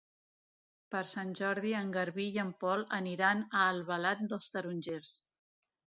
Per Sant Jordi en Garbí i en Pol aniran a Albalat dels Tarongers.